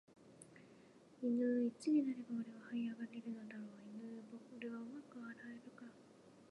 いぬーいつになれば俺は這い上がれるだろういぬー俺はうまく笑えているか